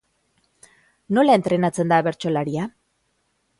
Nola entrenatzen da bertsolaria?